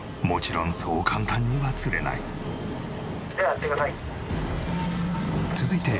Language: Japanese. もちろんそう簡単には釣れない。